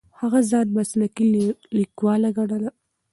هغه ځان مسلکي لیکواله ګڼله.